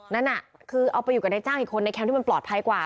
นั่นน่ะคือเอาไปอยู่กับนายจ้างอีกคนในแคมป์ที่มันปลอดภัยกว่า